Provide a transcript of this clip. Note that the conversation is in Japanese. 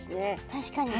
確かに。